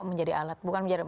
menjadi alat bukan menjadi